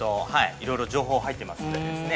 いろいろ情報が入ってますんでですね